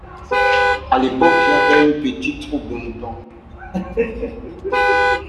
À l’époque, j’avais une petite troupe de moutons.